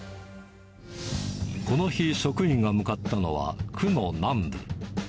この日、職員が向かったのは区の南部。